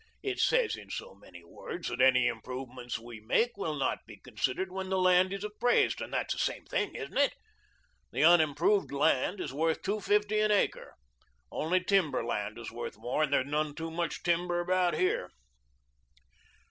It says in so many words that any improvements we make will not be considered when the land is appraised and that's the same thing, isn't it? The unimproved land is worth two fifty an acre; only timber land is worth more and there's none too much timber about here."